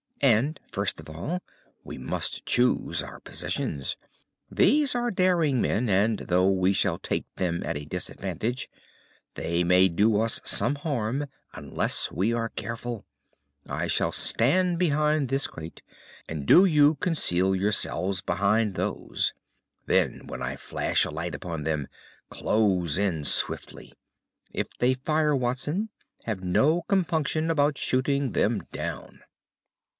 And, first of all, we must choose our positions. These are daring men, and though we shall take them at a disadvantage, they may do us some harm unless we are careful. I shall stand behind this crate, and do you conceal yourselves behind those. Then, when I flash a light upon them, close in swiftly. If they fire, Watson, have no compunction about shooting them down."